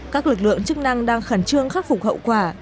các lực lượng chức năng đang khẩn trương khắc phục hậu quả